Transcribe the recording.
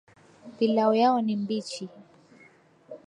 Pilau yao ni mbichi